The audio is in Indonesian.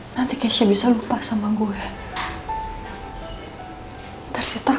anak cantik sekarang kita langsung ke tempat acara ya